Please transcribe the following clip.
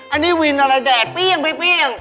อันนี้วินอะไรแดดเปรี้ยง